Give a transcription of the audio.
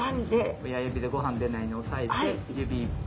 親指でごはん出ないように押さえて指１本。